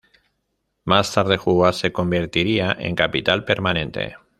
Más tarde Juba se convertiría en capital permanente.